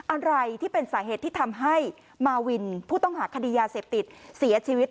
อะไรที่เป็นสาเหตุที่ทำให้มาวินผู้ต้องหาคดียาเสพติดเสียชีวิต